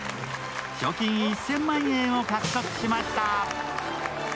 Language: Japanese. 賞金１０００万円を獲得しました。